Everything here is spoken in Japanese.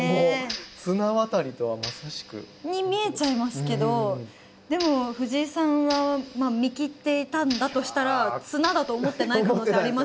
綱渡りとはまさしく。に見えちゃいますけどでも藤井さんは見切っていたんだとしたら綱だと思ってない可能性ありますよね。